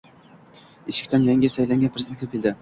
Eshikdan... yangi saylangan prezident kirib keldi!